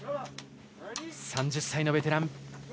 ３０歳のベテラン。